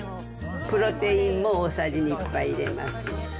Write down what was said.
プロテインも大さじ１杯入れます。